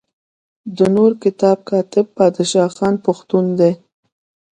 د نور کتاب کاتب بادشاه خان پښتون دی.